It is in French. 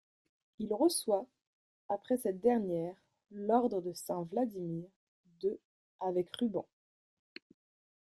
Il reçoit, après cette dernière, l'Ordre de Saint-Vladimir de avec ruban.